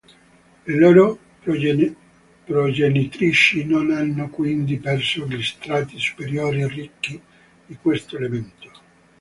Le loro progenitrici non hanno quindi perso gli strati superiori ricchi di questo elemento.